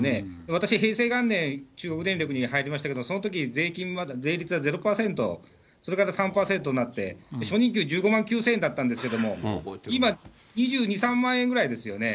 私、平成元年、中部電力に入りましたけど、そのとき、税金、まだ税率は０％、それから３％になって、初任給１５万９０００円だったんですけど、今、２２、３万円ぐらいですよね。